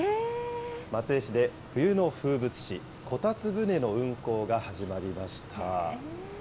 松江市で冬の風物詩、こたつ船の運航が始まりました。